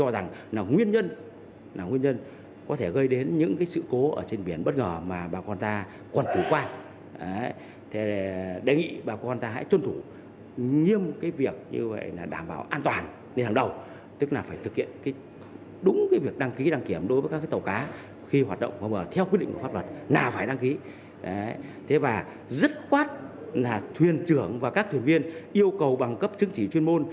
rất khoát là thuyền trưởng và các thuyền viên yêu cầu bằng cấp chứng chỉ chuyên môn